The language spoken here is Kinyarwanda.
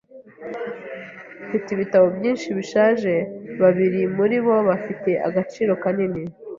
Mfite ibitabo byinshi bishaje. Babiri muri bo bafite agaciro kanini.